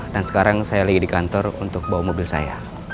dan sekarang saya lagi di kantor untuk bawa mobil saya